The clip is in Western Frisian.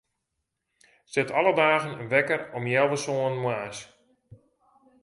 Set alle dagen in wekker om healwei sânen moarns.